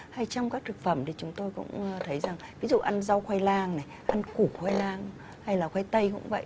hay trong các thực phẩm thì chúng tôi cũng thấy rằng ví dụ ăn rau khoai lang này ăn củ khoai lang hay là khoai tây cũng vậy